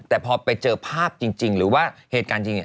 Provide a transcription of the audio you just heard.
แต่พอไปเจอภาพจริงหรือว่าเหตุการณ์จริง